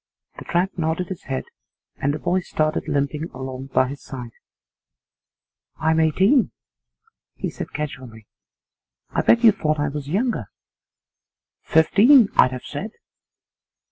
The tramp nodded his head, and the boy started limping along by his side. 'I'm eighteen,' he said casually. 'I bet you thought I was younger.' 'Fifteen, I'd have said.